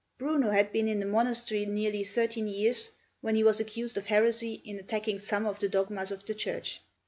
Bruno had been in the monastery nearly thirteen years when he was accused of heresy in attacking some of the dogmas of the Church.